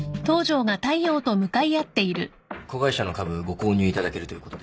子会社の株ご購入いただけるということで。